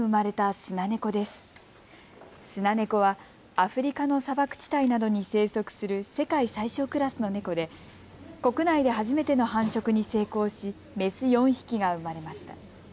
スナネコはアフリカの砂漠地帯などに生息する世界最小クラスのネコで国内で初めての繁殖に成功しメス４匹が生まれました。